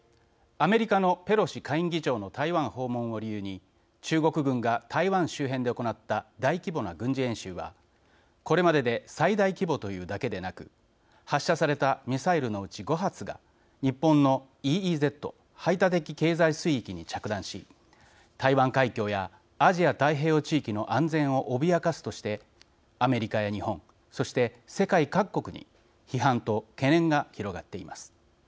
アメリカのペロシ下院議長の台湾訪問を理由に中国軍が台湾周辺で行った大規模な軍事演習はこれまでで最大規模というだけでなく発射されたミサイルのうち５発が日本のＥＥＺ＝排他的経済水域に着弾し台湾海峡やアジア太平洋地域の安全を脅かすとしてアメリカや日本そして世界各国に批判と懸念が広がっています。